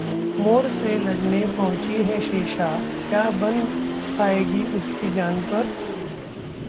मोर से लड़ने पहुंची है शेषा, क्या बन आएगी उसकी जान पर